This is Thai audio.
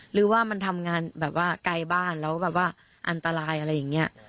หรือว่ามันทำงานแบบว่าไกลบ้านแล้วแบบว่าอันตรายอะไรอย่างนี้